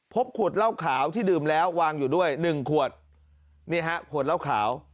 ขวดเหล้าขาวที่ดื่มแล้ววางอยู่ด้วยหนึ่งขวดนี่ฮะขวดเหล้าขาว